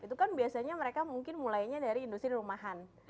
itu kan biasanya mereka mungkin mulainya dari industri rumahan